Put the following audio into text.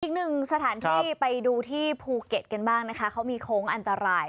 อีกหนึ่งสถานที่ไปดูที่ภูเก็ตกันบ้างนะคะเขามีโค้งอันตราย